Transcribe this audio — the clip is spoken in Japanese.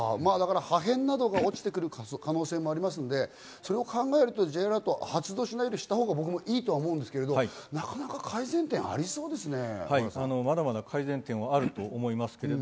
破片などが落ちてくる可能性もありますので、それを考えるとＪアラートを発令しないより、したほうがいいと僕も思うんですけど、なかなか改善点はありそうですね。